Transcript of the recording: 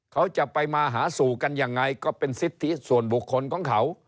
เขาจะไปมาหาสู่กันยังไงก็เป็นสิทธิส่วนบุคคลของเขา